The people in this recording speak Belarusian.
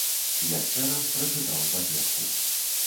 Яшчэ раз прачытаў паперку.